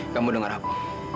kamu dengar aku